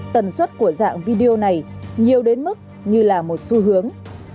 tần suất của dạng video này nhiều đến mức như là một xu hướng